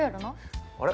あれ？